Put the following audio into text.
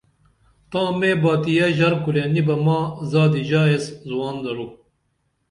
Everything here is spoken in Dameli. تاں مے باتیہ ژرکُرے نی بہ ماں زادی ژائس زُوان درو